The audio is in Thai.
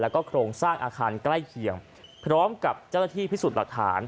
แล้วก็โครงสร้างอาคารใกล้เคียงพร้อมกับเจ้าหน้าที่พิสูจน์หลักฐาน